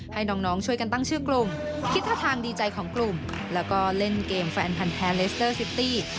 ให้น้องช่วยกันตั้งชื่อกลุ่มคิดท่าทางดีใจของกลุ่มแล้วก็เล่นเกมแฟนพันธ์แท้เลสเตอร์ซิตี้